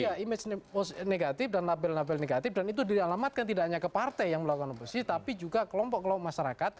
iya image negatif dan label label negatif dan itu dialamatkan tidak hanya ke partai yang melakukan oposisi tapi juga kelompok kelompok masyarakat